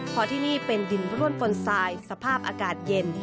เพราะที่นี่เป็นดินร่วนปนทรายสภาพอากาศเย็น